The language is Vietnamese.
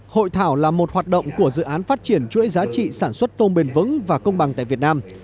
hội thảo là một hoạt động của dự án phát triển chuỗi giá trị sản xuất tôm bền vững và công bằng tại việt nam